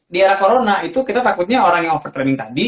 di era corona itu kita takutnya orang yang overtraining tadi